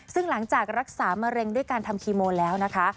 ซึ่งหลังจากรักษามะเร็งด้วยการทำคีโมแล้วนะคะ